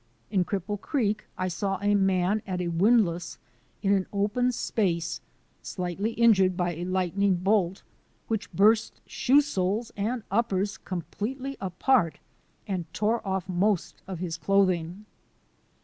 In Cripple Creek I saw a man at a windlass in an open space slightly injured by a lightning bolt which burst shoe soles and uppers completely apart and tore off most of his clothing.